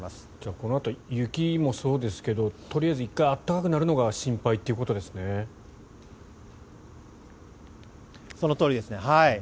このあと雪もそうですけどとりあえず一回暖かくなるのがそのとおりですね。